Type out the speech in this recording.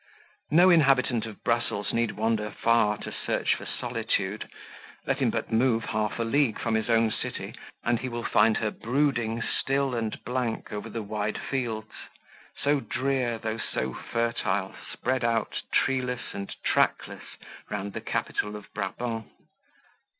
No inhabitant of Brussels need wander far to search for solitude; let him but move half a league from his own city and he will find her brooding still and blank over the wide fields, so drear though so fertile, spread out treeless and trackless round the capital of Brabant.